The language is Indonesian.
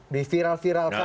di viral viralkan gitu pak